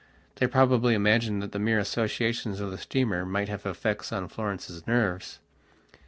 They probably imagined that the mere associations of the steamer might have effects on Florence's nerves.